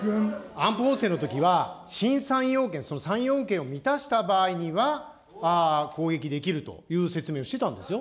安保法制のときは、新３要件、その３要件を満たした場合には、攻撃できるという説明をしてたんですよ。